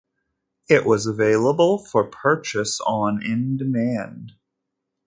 It was available for purchase on In Demand.